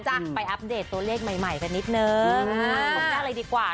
จะอัปเดตตัวเลขใหม่ขยับหน้าเลยดีกว่า